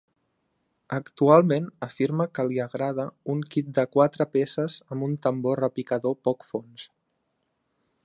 Actualment afirma que li agrada un kit de quatre peces amb un tambor repicador poc fons.